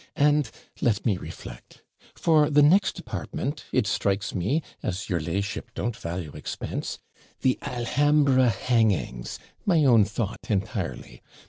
'And let me reflect. For the next apartment, it strikes me as your la'ship don't value expense THE ALHAMBRA HANGINGS my own thought entirely.